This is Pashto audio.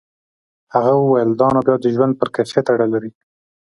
هغه وویل دا نو بیا د ژوند پر کیفیت اړه لري.